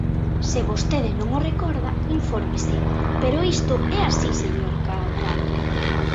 Se vostede non o recorda, infórmese, pero isto é así, señor Cadrado.